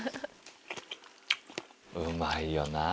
うまいよな。